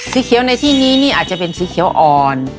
สีเขียวในที่นี้นี่อาจจะเป็นสีเขียวอ่อน